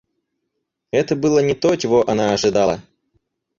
Это было не то, чего она ожидала.